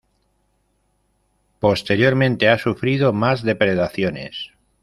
Posteriormente ha sufrido más depredaciones.